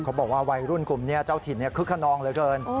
เขาบอกว่าวัยรุ่นกลุ่มนี้เจ้าถิ่นคึกขนองเลยเกิน